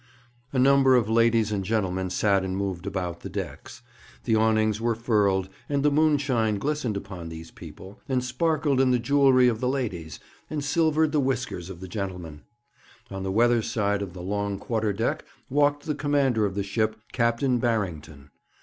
A number of ladies and gentlemen sat and moved about the decks. The awnings were furled, and the moonshine glistened upon these people, and sparkled in the jewellery of the ladies, and silvered the whiskers of the gentlemen. On the weather side of the long quarter deck walked the commander of the ship, Captain Barrington.